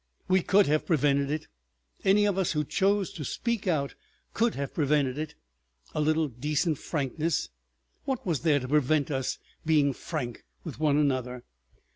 "We could have prevented it! Any of us who chose to speak out could have prevented it. A little decent frankness. What was there to prevent us being frank with one another?